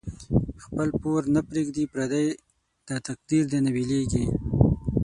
خپل پور نه پریږدی پردی، داتقدیر دی نه بیلیږی